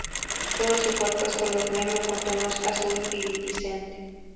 Todo su cuerpo es color negro con tonos azul iridiscente.